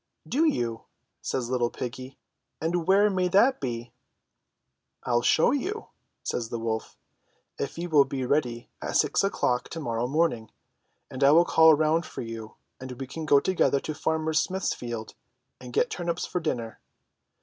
'* "Do you," says little piggy, "and where may that be?" "Til show you," says the wolf; "if you will be ready at six o'clock to morrow morning, I will call round for you, and we can go together to Farmer Smith's field and get tur nips for dinner."